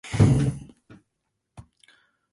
A third columnist, Maggie Cunningham, resigned in protest.